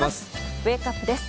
ウェークアップです。